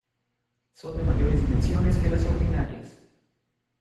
Son de mayores dimensiones que las ordinarias.